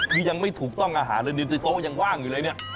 ที่ยังไม่ถูกต้องอาหารเลยโต๊ะยังว่างอยู่เลย